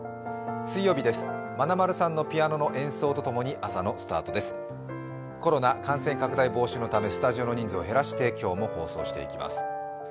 水曜日です、まなまるさんのピアノの演奏とともにコロナ感染拡大防止のためスタジオの人数を減らして今日も放送していきます。